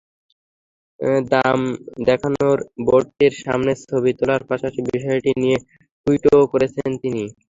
দাম দেখানোর বোর্ডটির সামনে ছবি তোলার পাশাপাশি বিষয়টি নিয়ে টুইটও করেছেন তিনি।